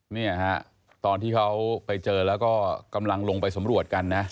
เนี่ยฮะตอนที่เขาไปเจอแล้วก็กำลังลงไปสำรวจกันนะ